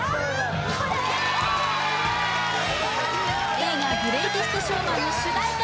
映画「グレイテスト・ショーマン」の主題歌